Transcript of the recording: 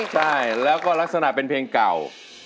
ใช่แล้วก็ลักษณะเป็นเพลงเก่า